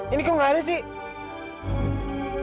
ini kok gak ada sih